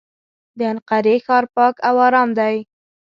د انقرې ښار پاک او ارام دی.